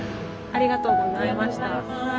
ありがとうございます。